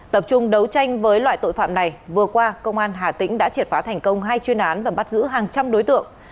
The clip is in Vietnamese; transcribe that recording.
tập trung đấu tranh với loại tội phạm này vừa qua công an hà tĩnh đã triệt phá thành công hai chuyên án và bắt giữ hàng trăm đối tượng